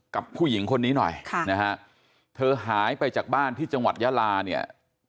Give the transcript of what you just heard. ผู้หญิงคนนี้หน่อยค่ะนะฮะเธอหายไปจากบ้านที่จังหวัดยาลาเนี่ย